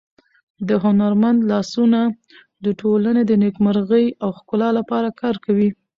د هنرمند لاسونه د ټولنې د نېکمرغۍ او ښکلا لپاره کار کوي.